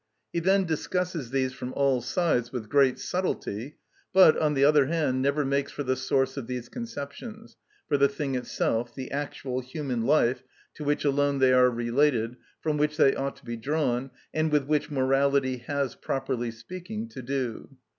He then discusses these from all sides with great subtilty, but, on the other hand, never makes for the source of these conceptions, for the thing itself, the actual human life, to which alone they are related, from which they ought to be drawn, and with which morality has, properly speaking, to do.